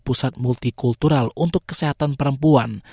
pusat multikultural untuk kesehatan perempuan